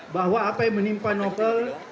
bahwa apa yang menimpa novel